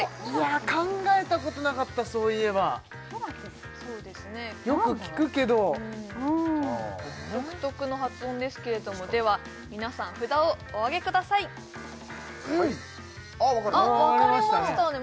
考えたことなかったそういえばよく聞くけど独特の発音ですけれどもでは皆さん札をお上げくださいあっ分かれましたね